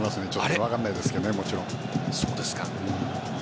分からないですけどね、もちろん。